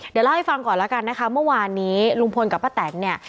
เดี๋ยวเล่าให้ฟังก่อนแล้วกันนะคะเมื่อวานนี้ลุงพลกับป้าแตนเนี่ย